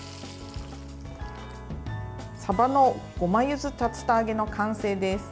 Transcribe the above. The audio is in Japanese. さばのごまゆず竜田揚げの完成です。